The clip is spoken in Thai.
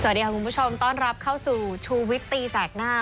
สวัสดีค่ะคุณผู้ชมต้อนรับเข้าสู่ชูวิตตีแสกหน้า